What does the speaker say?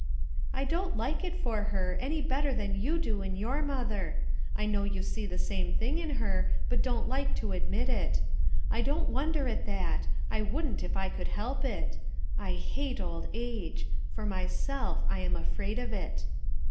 I don't like it for her, any better than you do in your mother ; I know you see the same thing in her but don't like to admit it. I don't wonder at that ; I wouldn't if I could help it. I hate old age; for myself I am afraid of it."